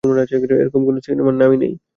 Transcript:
এরকম কোনো সিনেমার নামই নেই!